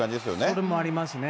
それもありますね。